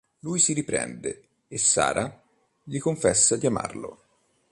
Lui si riprende, e Sarah gli confessa di amarlo.